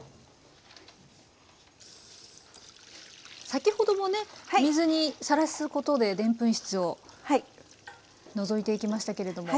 先ほどもね水にさらすことででんぷん質を除いていきましたけれども。